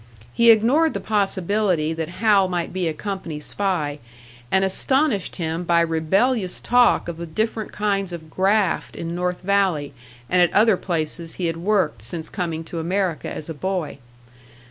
He ignored the possibility that Hal might be a company spy, and astonished him by rebellious talk of the different kinds of graft in North Valley, and at other places he had worked since coming to America as a boy.